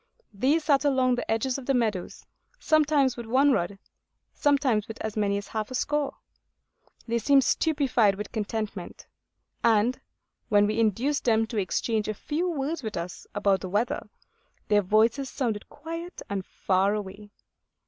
These sat along the edges of the meadows, sometimes with one rod, sometimes with as many as half a score. They seemed stupefied with contentment; and when we induced them to exchange a few words with us about the weather, their voices sounded quiet and far away.